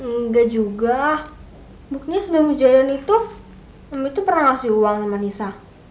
nggak juga buknya sebelum kejadian itu nisa pernah ngasih uang sama nisa